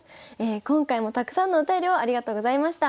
今回もたくさんのお便りをありがとうございました。